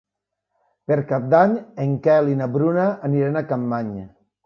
Per Cap d'Any en Quel i na Bruna aniran a Capmany.